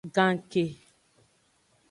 Ganke.